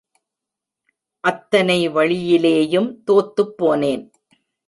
அத்தனை வழியிலேயும் தோத்துப்போனேன்.